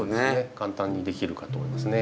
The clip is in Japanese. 簡単にできるかと思いますね。